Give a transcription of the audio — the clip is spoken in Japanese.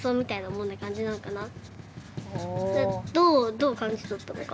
「どう感じ取ったのか？」